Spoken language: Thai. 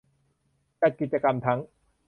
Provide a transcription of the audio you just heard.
จัดกิจกรรมทั้ง